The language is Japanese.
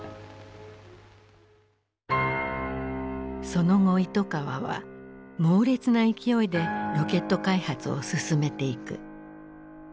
その後糸川は猛烈な勢いでロケット開発を進めていく。